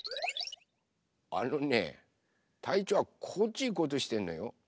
あのねたいちょうはこっちいこうとしてんのよ。